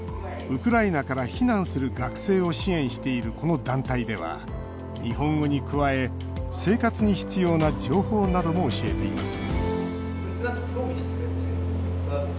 ウクライナから避難する学生を支援している、この団体では日本語に加え生活に必要な情報なども教えています